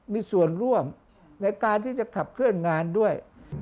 มีส่วนร่วมในการที่จะขับเคลื่อนงานด้วย